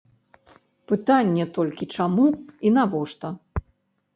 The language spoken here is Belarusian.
Пытанне толькі, чаму і навошта.